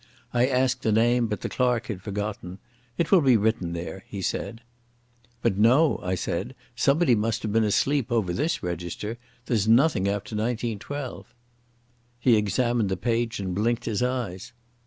I asked the name, but the clerk had forgotten. "It will be written there," he said. "But, no," I said. "Somebody must have been asleep over this register. There's nothing after 1912." He examined the page and blinked his eyes.